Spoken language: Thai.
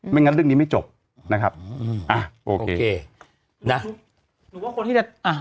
งั้นเรื่องนี้ไม่จบนะครับอืมอ่ะโอเคนะหนูว่าคนที่จะอ่ะ